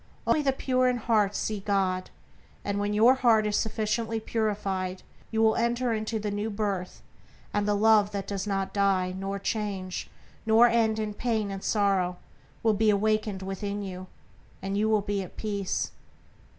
Only the pure in heart see God, and when your heart is sufficiently purified you will enter into the New Birth, and the Love that does not die, nor change, nor end in pain and sorrow will be awakened within you, and you will be at peace.